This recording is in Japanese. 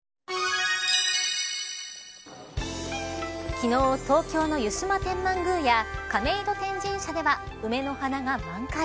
昨日、東京の湯島天満宮や亀戸天神社では梅の花が満開。